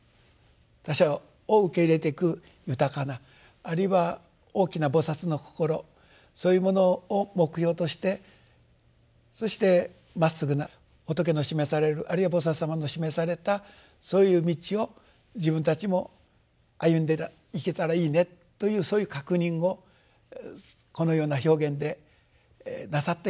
他者を受け入れていく豊かなあるいは大きな菩のこころそういうものを目標としてそしてまっすぐな仏の示されるあるいは菩様の示されたそういう道を自分たちも歩んでいけたらいいねというそういう確認をこのような表現でなさってるんじゃないかと。